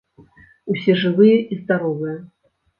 Усе жывыя і здаровыя.